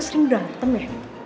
sering berantem ya